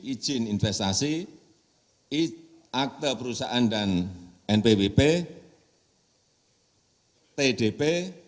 izin investasi akte perusahaan dan npwp tdp